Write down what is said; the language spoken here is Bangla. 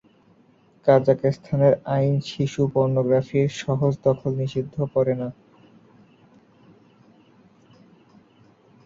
কাজাখস্তানের আইন শিশু পর্নোগ্রাফির সহজ দখল নিষিদ্ধ করে না।